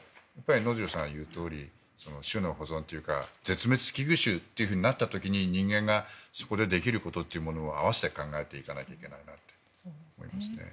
能條さんが言うとおり種の保存というか絶滅危惧種となった時に人間がそこでできることというものを併せて考えていかないといけないなと思いますね。